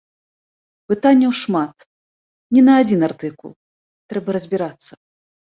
Пытанняў шмат, не на адзін артыкул, трэба разбірацца.